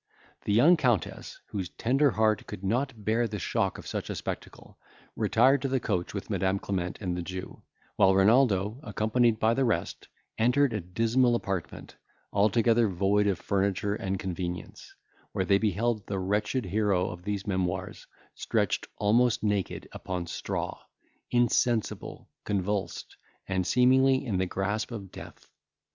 The young Countess, whose tender heart could not bear the shock of such a spectacle, retired to the coach with Madam Clement and the Jew, while Renaldo, accompanied by the rest, entered a dismal apartment, altogether void of furniture and convenience, where they beheld the wretched hero of these memoirs stretched almost naked upon straw, insensible, convulsed, and seemingly in the grasp of death.